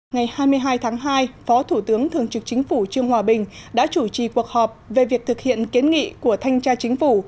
ngày hai mươi hai tháng hai phó thủ tướng thường trực chính phủ trương hòa bình đã chủ trì cuộc họp về việc thực hiện kiến nghị của thanh tra chính phủ